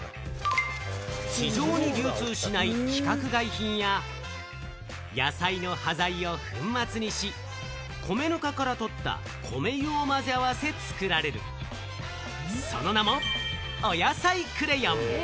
市場に流通しない規格外品や野菜の端材を粉末にし、米ぬかから取った米油を混ぜ合わせ、作られる、その名もおやさいクレヨン。